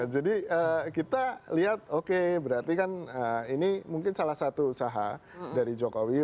jadi kita lihat oke berarti kan ini mungkin salah satu usaha dari jokowi